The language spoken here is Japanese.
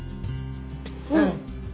うん。